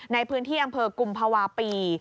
ในพื้นที่อำเภอกุมภาวะปี